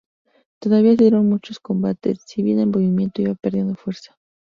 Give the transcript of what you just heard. Todavía se dieron muchos combates, si bien el movimiento iba perdiendo fuerza.